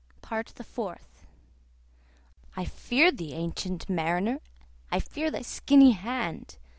PART THE FOURTH. "I fear thee, ancient Mariner! I fear thy skinny hand!